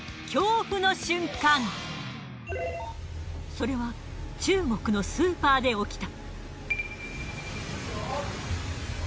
それは中国のスーパーで起きた。